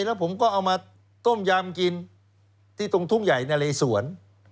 แล้วผมก็เอามาต้มยำกินที่ตรงทุ่งใหญ่นะเลสวน